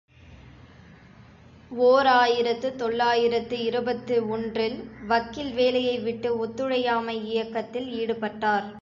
ஓர் ஆயிரத்து தொள்ளாயிரத்து இருபத்தொன்று ல் வக்கீல் வேலையை விட்டு ஒத்துழையாமை இயக்கத்தில் ஈடுபட்டார்.